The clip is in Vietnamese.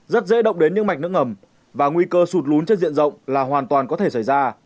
rất dễ động đến những mạch nước ngầm và nguy cơ sụt lún trên diện rộng là hoàn toàn có thể xảy ra